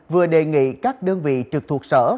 vừa đề nghị các đơn vị trực thuộc sở